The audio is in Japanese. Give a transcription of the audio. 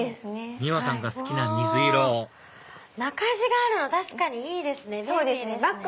ｍｉｗａさんが好きな水色中地があるの確かにいいですね便利ですね。